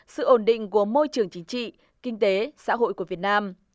sự ổn định của môi trường chính trị kinh tế xã hội của việt nam